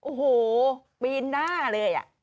โอ้โหปีนหน้าเลย